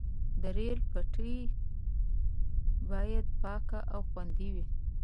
د ریل پټلۍ باید پاکه او خوندي وي.